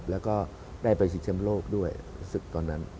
แล้วก็ได้ไปชิงแชมป์โลกด้วยรู้สึกตอนนั้น